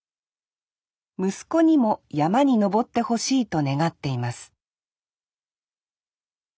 息子にも曳山に上ってほしいと願っています